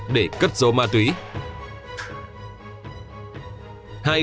để cất dấu ma túy